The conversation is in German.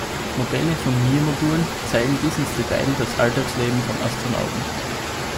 Modelle von Mir-Modulen zeigen bis ins Detail das Alltagsleben der Astronauten.